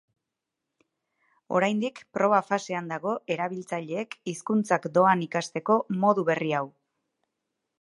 Oraindik proba fasean dago erabiltzaileek hizkuntzak doan ikasteko modu berri hau.